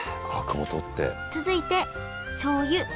続いてしょうゆみりん